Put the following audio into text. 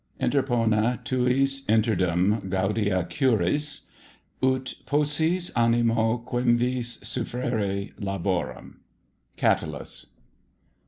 Interpone tuis interdum gaudia curis Ut possis animo quemvis sufferre laborem. CATULLUS